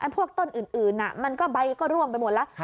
พวกต้นอื่นมันก็ใบก็ร่วงไปหมดแล้ว